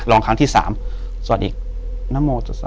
อ่ะลองครั้งที่สามสวัสดีค่ะนโมทสวัสดีค่ะ